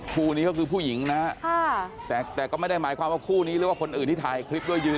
คู่นี้ก็คือผู้หญิงนะฮะแต่ก็ไม่ได้หมายความว่าคู่นี้หรือว่าคนอื่นที่ถ่ายคลิปด้วยยืน